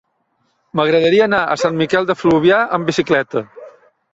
M'agradaria anar a Sant Miquel de Fluvià amb bicicleta.